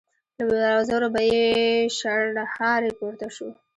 له وزرو به يې شڼهاری پورته شو.